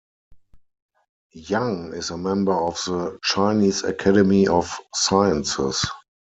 Yang is a member of the Chinese Academy of Sciences.